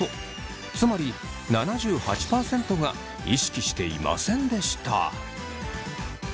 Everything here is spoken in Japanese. つまり７８％が意識していませんでした。